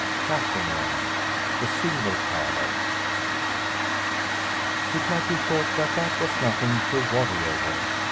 CHAPTER IX THE SILVER THALER IT might be thought that that was nothing to worry over.